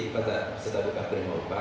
kepada peserta bukan pendemokra